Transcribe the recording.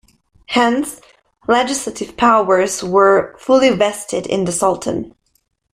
Hence, legislative powers were fully vested in the Sultan.